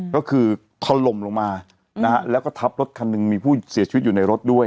ก็คือถล่มลงมานะฮะแล้วก็ทับรถคันหนึ่งมีผู้เสียชีวิตอยู่ในรถด้วย